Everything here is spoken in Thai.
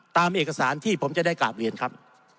ตามเอกสารที่ผมจะได้กราบเรียนครับ